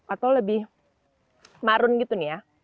atau lebih marun gitu nih ya